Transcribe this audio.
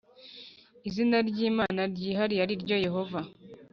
Izina ryihariye ryimana ari ryo yehova